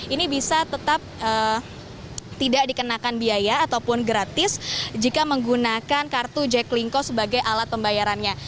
ini bisa tetap tidak dikenakan biaya ataupun gratis jika menggunakan kartu jack linco sebagai alat pembayarannya